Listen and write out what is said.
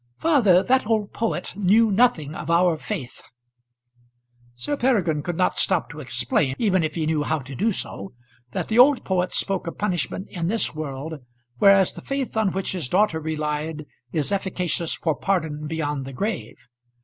"Father, that old poet knew nothing of our faith." Sir Peregrine could not stop to explain, even if he knew how to do so, that the old poet spoke of punishment in this world, whereas the faith on which his daughter relied is efficacious for pardon beyond the grave.